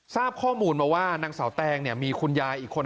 ทราบข้อมูลมาว่านางสาวแตงมีคุณยายอีกคน